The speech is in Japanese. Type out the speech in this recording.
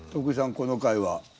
この回は？